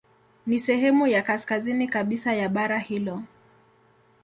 Ni sehemu ya kaskazini kabisa ya bara hilo.